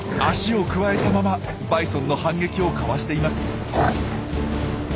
足をくわえたままバイソンの反撃をかわしています。